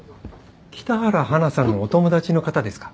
北原華さんのお友達の方ですか？